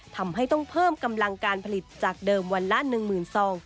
ทำให้ต้องเพิ่มกำลังการผลิตจากเดิมวันละ๑๐๐๐ซอง